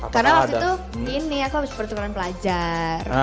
karena waktu itu ini aku harus pertukaran pelajar